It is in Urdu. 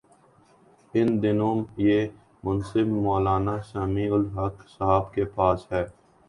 ان دنوں یہ منصب مو لانا سمیع الحق صاحب کے پاس ہے۔